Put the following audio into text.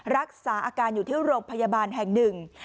รักษาอาการอยู่ที่โรงพยาบาลแห่งหนึ่ง